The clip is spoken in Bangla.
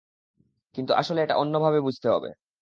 কিন্তু আসলে এটা অন্যভাবে বুঝতে হবে।